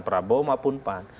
prabowo maupun pan